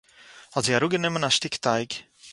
האָט זי אַראָפּגענומען אַ שטיק טייג